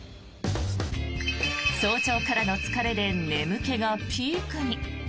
早朝からの疲れで眠気がピークに。